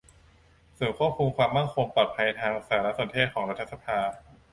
ศูนย์ควบคุมความมั่นคงปลอดภัยทางสารสนเทศของรัฐสภา